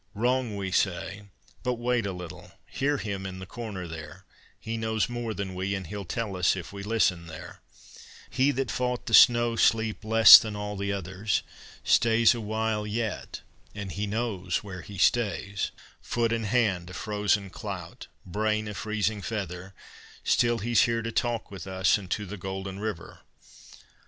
Wrong, we say, but wait a little: hear him in the corner there; He knows more than we, and he'll tell us if we listen there He that fought the snow sleep less than all the others Stays awhile yet, and he knows where he stays: Foot and hand a frozen clout, brain a freezing feather, Still he's here to talk with us and to the golden river.